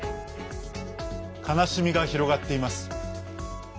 悲しみが広がっています。